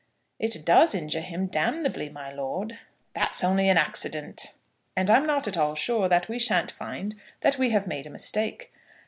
"It does injure him damnably, my lord." "That's only an accident." "And I'm not at all sure that we shan't find that we have made a mistake."